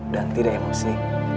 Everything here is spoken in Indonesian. dan tidak emosi